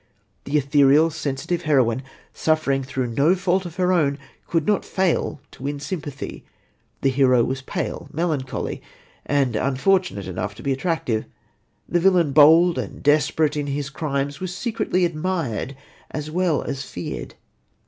The ethereal, sensitive heroine, suffering through no fault of her own, could not fail to win sympathy. The hero was pale, melancholy, and unfortunate enough to be attractive. The villain, bold and desperate in his crimes, was secretly admired as well as feared.